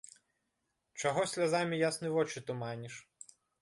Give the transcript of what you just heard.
Чаго слязамі ясны вочы туманіш?